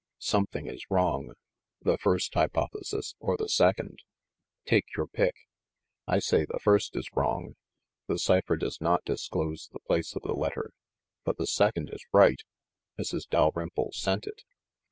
Something is wrong, the first hypothesis, or the second. Take your pick. I say the first is wrong, — the cipher does not disclose the place of the letter, but the second is right : Mrs. Dal rymple sent it.